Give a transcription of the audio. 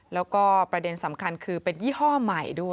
แล้วก็ประเด็นสำคัญคือเป็นยี่ห้อใหม่ด้วย